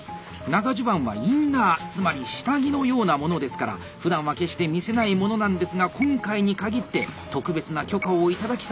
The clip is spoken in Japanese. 長襦袢はインナーつまり下着のようなものですからふだんは決して見せないものなんですが今回に限って特別な許可を頂き撮影しております！